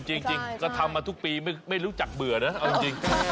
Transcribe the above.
จริงก็ทำมาทุกปีไม่รู้จักเบื่อนะเอาจริง